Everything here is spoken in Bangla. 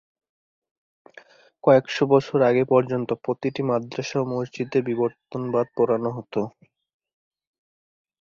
কয়েকশো বছর আগে পর্যন্ত প্রতিটি মাদরাসা ও মসজিদে বিবর্তনবাদ পড়ানো হতো।